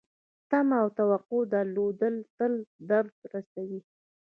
تمه او توقع درلودل تل درد رسوي .